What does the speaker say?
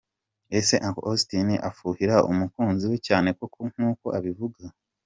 Ese Uncle Austin afuhira umukunziwe cyane koko nk’uko abivuga ?.